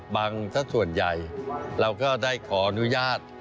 ส่วนใหญ่เราก็ได้ขออนุญาต